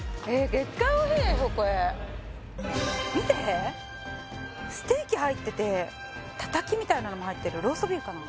絶対おいしいでしょこれ見てステーキ入っててたたきみたいなのも入ってるローストビーフかな